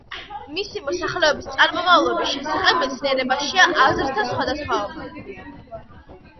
მისი მოსახლეობის წარმომავლობის შესახებ მეცნიერებაში აზრთა სხვადასხვაობაა.